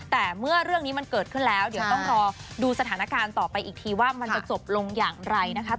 แต่เมื่อเรื่องนี้มันเกิดขึ้นแล้วเดี๋ยวต้องรอดูสถานการณ์ต่อไปอีกทีว่ามันจะจบลงอย่างไรนะคะ